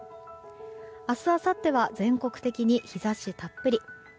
明日、あさっては全国的に日差したっぷり。